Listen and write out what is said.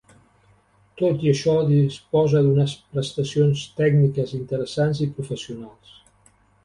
Tot i això disposa d'unes prestacions tècniques interessants i professionals.